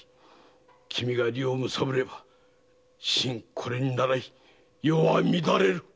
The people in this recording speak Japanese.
君が利をむさぼれば臣これを倣い世は乱れる。